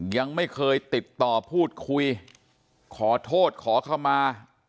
ยังไม่เคยติดต่อพูดคุยขอโทษขอเข้ามา